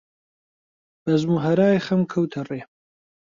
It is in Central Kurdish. بەزم و هەرای خەم کەوتە ڕێ